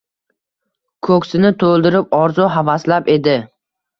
Ko‘ksini to‘ldirib orzu-havaslab edi.